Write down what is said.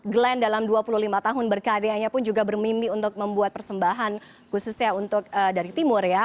glenn dalam dua puluh lima tahun berkaryanya pun juga bermimpi untuk membuat persembahan khususnya untuk dari timur ya